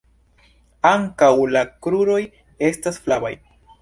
Ankaŭ la kruroj estas flavaj.